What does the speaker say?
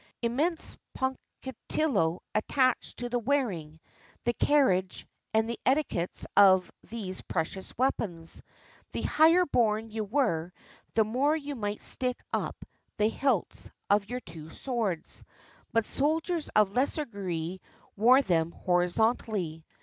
Immense punctilio attached to the wearing, the car riage, and the etiquettes of these precious weapons. The higher born you were, the more you might stick up the hilts of your two swords; but soldiers of lesser degree wore them horizontally.